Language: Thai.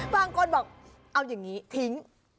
บางคนบอกเอาอย่างนี้ทิ้ง